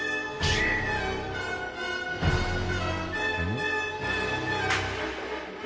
ん？